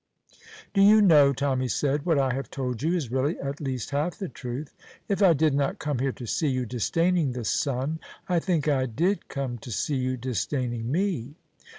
"Do you know," Tommy said, "what I have told you is really at least half the truth? If I did not come here to see you disdaining the sun, I think I did come to see you disdaining me.